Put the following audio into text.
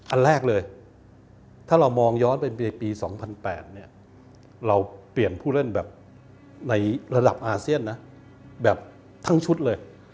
อันแรกเลยถ้าเรามองย้อนไปในปี๒๐๐๘เนี่ยเราเปลี่ยนผู้เล่นแบบในระดับอาเซียนนะแบบทั้งชุดเลย